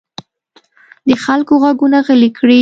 د خلکو غږونه غلي کړي.